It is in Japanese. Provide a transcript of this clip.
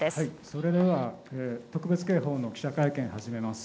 それでは特別警報の記者会見始めます。